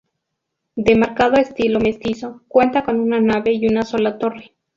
De marcado estilo mestizo, cuenta con una nave y una sola torre.